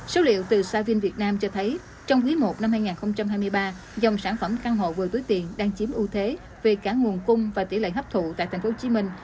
số liệu từ savin việt nam cho thấy trong quý i năm hai nghìn hai mươi ba dòng sản phẩm căn hộ vừa túi tiền đang chiếm ưu thế về cả nguồn cung và tỷ lệ hấp thụ tại thành phố hồ chí minh